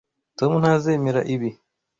Tom ntazemera ibi.